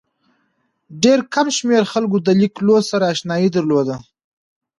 ډېر کم شمېر خلکو له لیک لوست سره اشنايي درلوده.